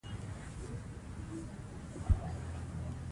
په ګډه هڅه موږ کولی شو خپل هیواد سیال کړو.